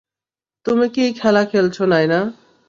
তুমি কি খেলা খেলছো, নায়না?